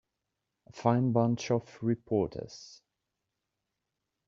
A fine bunch of reporters.